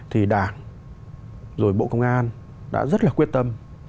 thì đảng rồi bộ công an đã rất là quyết tâm